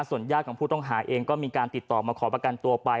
ส่วนญาติของผู้ต้องหาเองก็มีการติดต่อมาขอประกันตัวไป